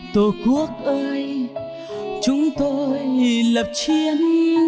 tổ quốc ơi chúng tôi lập chiến